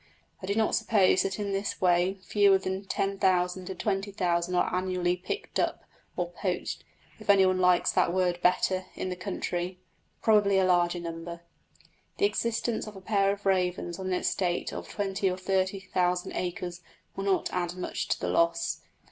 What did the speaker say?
I do not suppose that in this way fewer than ten thousand to twenty thousand rabbits are annually "picked up," or "poached" if any one likes that word better in the county. Probably a larger number. The existence of a pair of ravens on an estate of twenty or thirty thousand acres would not add much to the loss.